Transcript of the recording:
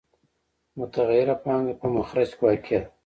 متغیره پانګه په مخرج کې واقع ده